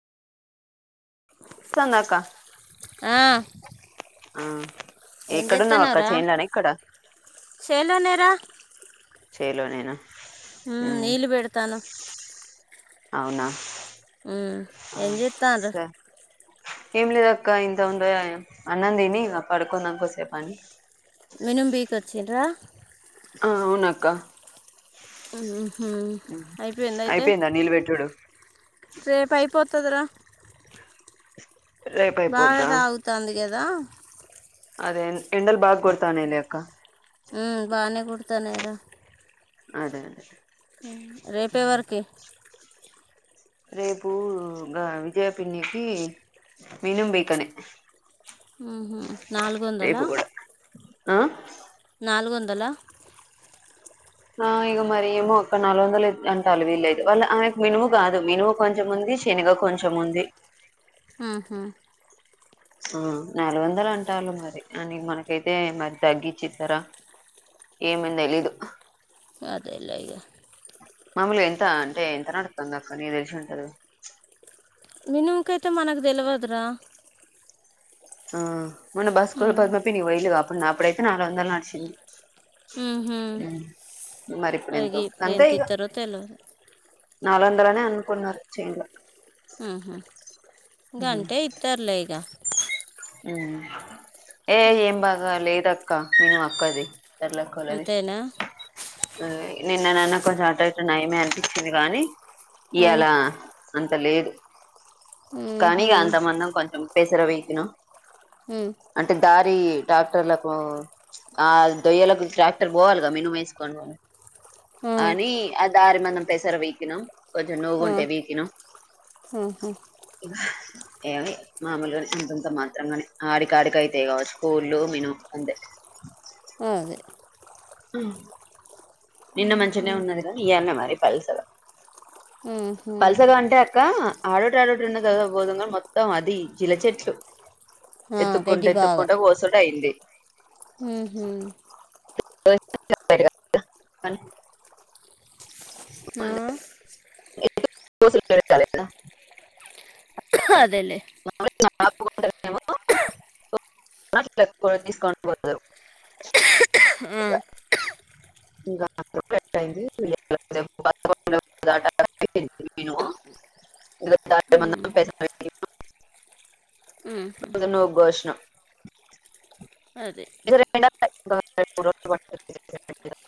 సంగాక ఆ, ఉమ్ ఏం చెత్తానార సలోనేరా చైర్ల పోయిన నీలుబడతాను అవునా ఉమ్ ఏం చేస్తారు స ఏం లేద అక్క ఇంత ఉంద అన్న దిని పడుకుందాంకోసేపుని మీనం బి చిడ ఆ అవునాక్క ఉహూ అయిపోయిందా అయితే నీళ్ళు పెట్టుడు రేపు అయిపోతుందిరా రేపు బాగా అయిపోద్దా తాగుతుంది కదా కదా అదే ఎండల్ బాగ కొడతాన్నాయి లే అక్క ఉమ్ బానే కొడుతూ త్తనయిరా అదే అదే రేపేవర్కి రేపు విజయ పిన్నికి మినం బీకనే ఉహూ నాలుగు వందలా రేపు కూడా ఆ నాలుగు వందలా ఆ ఇక మరి ఏమో ఒక్క నాలుగు వందలు అంటాలు వీళ్ళదు వాళ్ళ ఆమెకు మినుము కాదు మినుము కొంచెంముంది శనగ కొంచెం ఉంది ఉహూ ఆ నాలుగు వందలు అంటాళ్ళు మరి అని మనకైతే మరి తగ్గించిస్తారా ఏమ అని తెలీదు అదేలే ఇగ మాములుగా ఎంత అంటే ఎంత నడుస్తుంది అక్క నీకి తెలిసి ఉంటది మినిముకయితే మనకు తెలువదురా ఆ మన బస్కు పద్మ పిన్ని పోయేలా దా అప్పుడు నా అప్పుడు అయితే నాలుగు వందలు నడిచింది ఉహూ హ్మ్. మరి అలాగే ఎంతో ఇప్పుడు అంతే ఎంత ఇస్తారో తెలవదు అందరనే అనుకున్నారు చేన్ లో ఆహా గంటే ఇత్తరూ లే ఇగ ఉ ఏయ ఏం బాగా లేదక్క క్క మినుము అక్కా అది ఎర్లాక్కోలది అంతేనా నిన్న నన్న కొంచెం ఆటో ఇటు నయమే అనిపించింది కానీ ఆ ఇయ్యాలా అంత లేదు కానీ ఊహు ఇగా అంతమంది కొంచం పెసరా వీకీనా ఉమ్ దారి ట్రాక్టర్లకు ఆ దొయ్యలకు ట్రాక్టర్ పోవాలిగా మినుము వేసుకొని ఆ అని ఆ దారి మొన్న పెసర వీకినాం కొంచెం నువ్వు ఉంటే వీకినాం హా హా ఏ మామలుగా ఎంతంత మాత్ర ఆడికా ఆడిక అైతాయి కా స్కూల్ళ మను అంతే అదే అ నిన్న మంచినే ఉన్నది కానీ ఇయాలనే మరి పల్స ఆహు ఇకా ఆడోటి ఆడోటి ఉన్న కద పోదుం క మొత్తం అది జీల చెట్లు ఎత్తుక్కుంటే ఎత్తుక్కుంటే ఓసడు అయింది హహ [unintelligible] ఆ [unintelligible] అదేలే ఆపుకుంట తీసుకని పోారు ఆ [unintelligible] ఊ ఊహు అ నుోఘోషణం అదే [unintelligible]